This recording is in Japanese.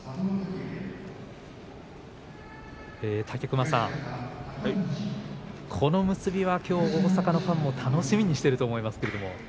武隈さん、この結びはきょう大阪のファンも楽しみにしていると思いますけれども。